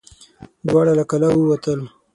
دواړه له کلا ووتل.